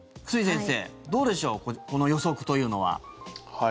久住先生、どうでしょうこの予測というのは。